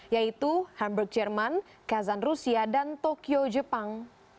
yaitu hamburg jerman kazan rusia dan tokyo jepang